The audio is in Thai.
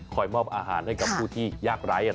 มอบอาหารให้กับผู้ที่ยากไร้